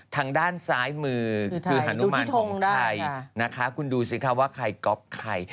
ทางด้านซ้ายมือคือฮานุมานของใครนะคะคุณดูสิคะว่าใครก๊อฟใคร